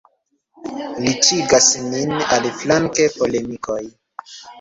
Riĉigas nin, aliflanke, polemikoj.